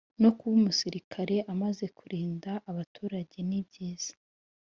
no kuba umusirikare amaze kurinda abaturage nibyiza